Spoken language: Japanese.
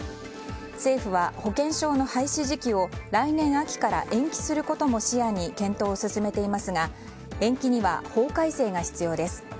政府は、保険証の廃止時期を来年秋から延期することも視野に検討を進めていますが延期には法改正が必要です。